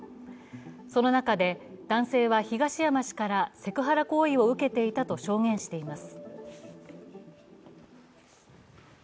その中で、男性は東山氏からセクハラ行為を受けていたと証言しています。